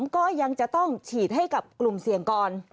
ก็ยังจะต้องฉีดให้กับกลุ่มเสี่ยงก่อน